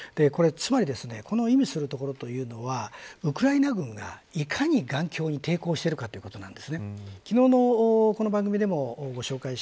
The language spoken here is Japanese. これは、つまりこの意味するところというのはウクライナ軍がいかに頑強に抵抗しているかということなんです。